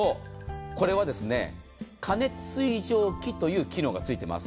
これは過熱水蒸気という機能がついています。